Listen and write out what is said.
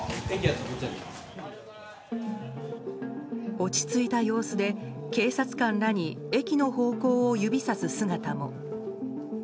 落ち着いた様子で、警察官らに駅の方向を指さす姿も。